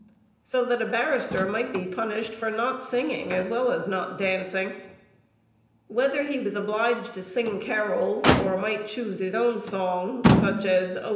So that a barrister might be punished for not singing, as well as not dancing. Whether he was obliged to sing carols, or might choose his own song, such as, "Oh!